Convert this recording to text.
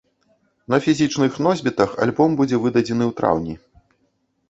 На фізічных носьбітах альбом будзе выдадзены ў траўні.